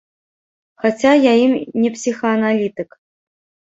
Хаця я ім не псіхааналітык.